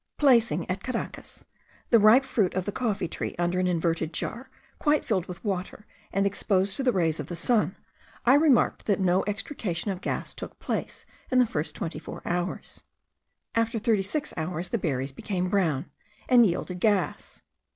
Placing, at Caracas, the ripe fruit of the coffee tree under an inverted jar, quite filled with water, and exposed to the rays of the sun, I remarked that no extrication of gas took place in the first twenty four hours. After thirty six hours the berries became brown, and yielded gas.